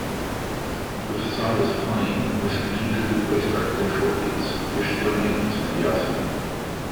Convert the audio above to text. The facade is plain with strategically placed architectural feats which donate its grandiosity.